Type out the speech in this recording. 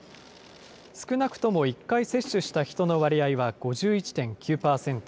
少なくとも１回接種した人の割合は５１．９％。